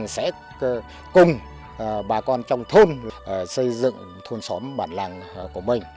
sẽ cùng bà con trong thôn xây dựng thôn xóm bản làng của mình